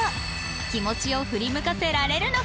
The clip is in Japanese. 気持ちを振り向かせられるのか？